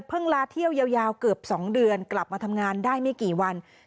ลาเที่ยวยาวเกือบ๒เดือนกลับมาทำงานได้ไม่กี่วัน